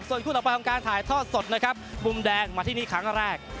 ส่วนคู่ต่อการถ่ายท่อสดปุ่มแดงมาที่นี่ครั้งแรก